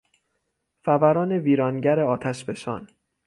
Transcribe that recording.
فوران ویرانگر آتشفشان